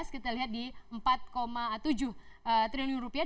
dua ribu empat belas kita lihat di empat tujuh triliun rupiah